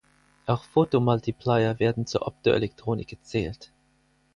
Auch Photomultiplier werden zur Optoelektronik gezählt.